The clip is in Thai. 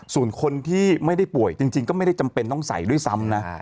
ส่วนคนที่ไม่ได้ป่วยจริงก็ไม่ได้จำเป็นต้องใส่ด้วยซ้ำนะ